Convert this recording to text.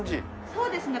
そうですね。